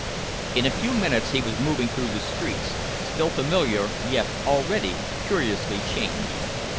In a few minutes he was moving through the streets, still familiar yet already curiously changed.